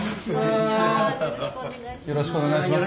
よろしくお願いします。